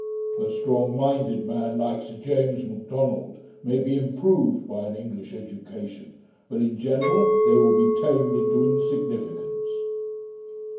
A strong minded man, like Sir James Macdonald, may be improved by an English education; but in general, they will be tamed into insignificance.'